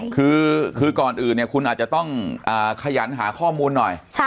คือก่อนอื่นเนี่ยคุณอาจจะต้องขยันหาข้อมูลหน่อย